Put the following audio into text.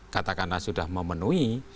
katakanlah sudah memenuhi